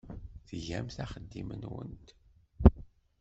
Tgamt axeddim-nwent.